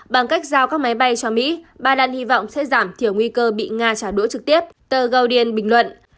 bằng cách giao các máy bay cho mỹ ba lan hy vọng sẽ giảm thiểu nguy cơ bị nga trả đũa trực tiếp tờ goldian bình luận